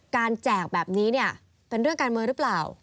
การแจกแบบนี้เป็นเรื่องการเมืองหรือเปล่า